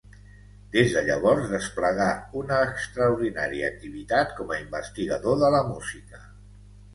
Des de llavors desplegà una extraordinària activitat com a investigador de la música.